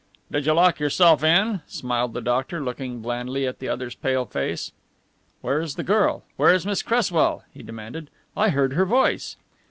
"Did you lock yourself in?" smiled the doctor, looking blandly at the other's pale face. "Where is the girl, where is Miss Cresswell?" he demanded. "I heard her voice."